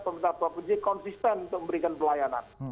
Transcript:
pemerintah provinsi konsisten untuk memberikan pelayanan